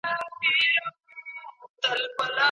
دلته لېونیو نن د عقل ښار نیولی دی